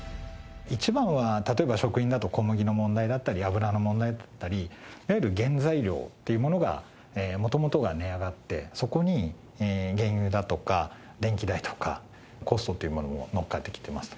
一番は、例えば食品だと小麦の問題だったり、油の問題だったり、いわゆる原材料というものがもともとが値上がって、そこに原油だとか、電気代とか、コストというものも乗っかってきてます。